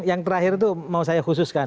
yang terakhir itu mau saya khususkan